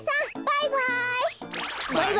バイバイ。